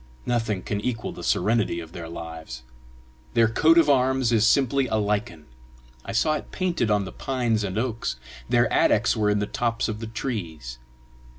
Nothing can equal the serenity of their lives. Their coat of arms is simply a lichen. I saw it painted on the pines and oaks. Their attics were in the tops of the trees.